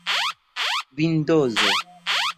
vindozo